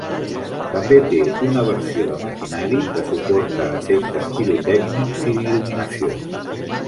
També té una versió de maquinari que suporta efectes pirotècnics i d'il·luminació.